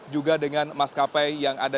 juga dengan maskapai yang ada